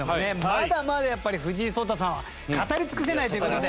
まだまだやっぱり藤井聡太さんは語り尽くせないという事で。